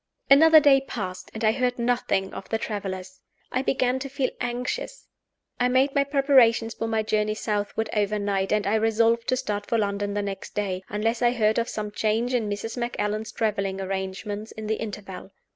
Another day passed; and I heard nothing of the travelers. I began to feel anxious. I made my preparations for my journey southward overnight; and I resolved to start for London the next day unless I heard of some change in Mrs. Macallan's traveling arrangements in the interval.